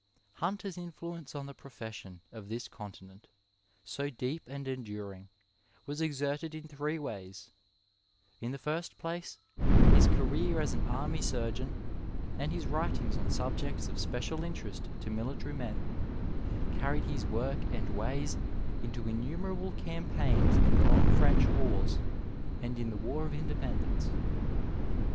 Hunter's influence on the profession of this continent, so deep and enduring, was exerted in three ways. In the first place, his career as an army surgeon, and his writings on subjects of special interest to military men, carried his work and ways into 188 Digitized by VjOOQiC BRITISH MEDICINE IN GREATER BRITAIN innumeiable campaigns in the long French wan and in the War of Independence.